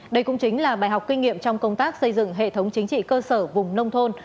đây cũng chính là bài học kinh nghiệm trong công tác xây dựng hệ thống chính trị cơ sở vùng nông thôn